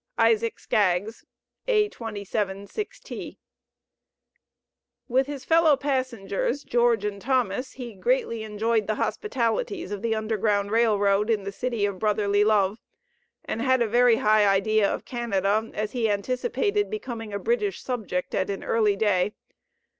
ISAAC SCAGGS. a27 6t* With his fellow passengers, George and Thomas, he greatly enjoyed the hospitalities of the Underground Rail Road in the city of Brotherly Love, and had a very high idea of Canada, as he anticipated becoming a British subject at an early day.